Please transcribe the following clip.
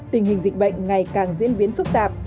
tình hình dịch bệnh ngày càng diễn biến phức tạp